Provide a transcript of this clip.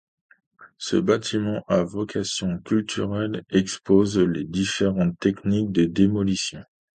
Ce bâtiment a vocation culturelle expose les différentes techniques de démolition.